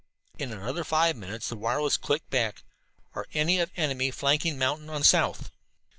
In another five minutes the wireless clicked back: "Are any of enemy flanking mountain on south?"